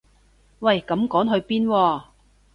喂咁趕去邊喎